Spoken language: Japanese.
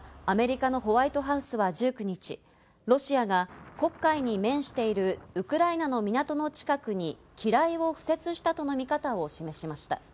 またアメリカのホワイトハウスは１９日、ロシアが黒海に面しているウクライナの港の近くに機雷を敷設したとの見方を示しました。